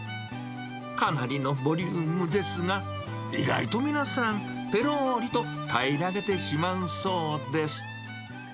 かなりのボリュームですが、意外と皆さん、ぺろりとたいらげてしまうそうです。